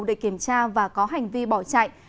để kiểm tra và có hành vi bỏ chạy